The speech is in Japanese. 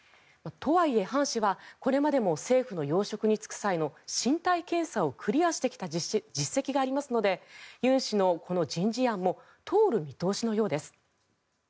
とはいえ、ハン氏はこれまでの政府の要職に就く際の身体検査をクリアしてきた実績がありますので尹氏の人事案も通る見通しのようです。